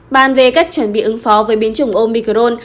bàn về cách chuẩn bị ứng phó với biến chủng omicron